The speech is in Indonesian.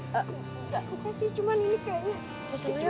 gak kutas sih cuman ini kayaknya